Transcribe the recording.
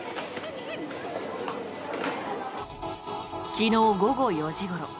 昨日午後４時ごろ